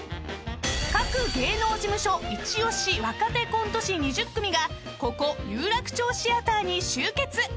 ［各芸能事務所一押し若手コント師２０組がここ有楽町シアターに集結］